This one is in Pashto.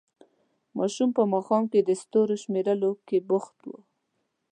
ماشوم په ماښام کې د ستورو شمېرلو کې بوخت وو.